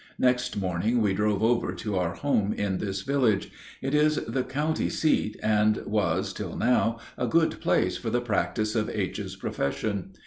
Next morning we drove over to our home in this village. It is the county seat, and was, till now, a good place for the practice of H.'s profession.